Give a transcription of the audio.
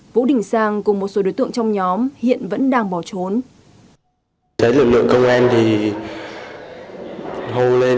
vũ đình sang cùng một số đối tượng trong nhóm hiện vẫn đang bỏ trốn